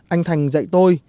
anh thành dạy tôi